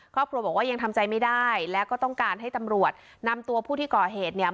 ครอบครัวบอกว่ายังทำใจไม่ได้แล้วก็ต้องการให้ตำรวจนำตัวผู้ที่ก่อเหตุเนี่ย